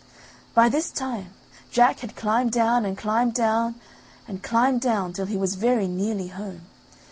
By this time Jack had climbed down and climbed down and climbed down till he was very nearly home.